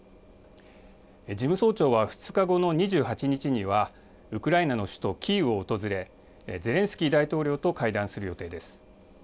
事務総長は２日後の２８日には、ウクライナの首都キーウを訪れ、ゼレンスキー大統領と会談する予定です。